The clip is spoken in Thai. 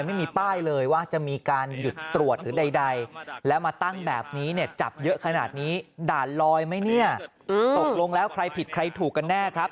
ไม่ให้ความผิดซึ่งหน้าแน่นอนนะครับ